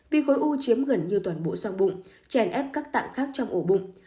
vì khối u chiếm gần như toàn bộ xoang bụng tràn ép các tạng khác trong ổ bụng